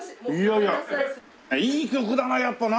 いい曲だなやっぱな。